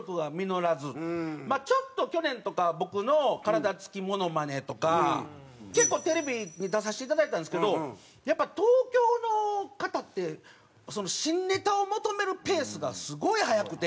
まあちょっと去年とか僕の体つきモノマネとか結構テレビに出させていただいたんですけどやっぱ東京の方って新ネタを求めるペースがすごい速くて。